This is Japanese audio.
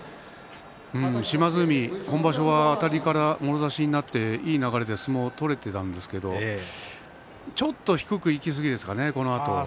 島津海、今場所はあたりからもろ差しになっていい相撲が取れていたんですけどもちょっと低くいきすぎですかね。